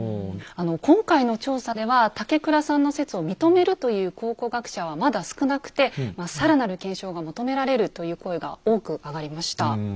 今回の調査では竹倉さんの説を認めるという考古学者はまだ少なくて更なる検証が求められるという声が多くあがりました。